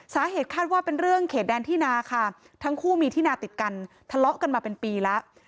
สาเหตุคาดว่าเป็นเรื่องเขตแดนที่นาค่ะทั้งคู่มีที่นาติดกันทะเลาะกันมาเป็นปีแล้ว